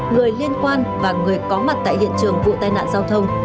người liên quan và người có mặt tại hiện trường vụ tai nạn giao thông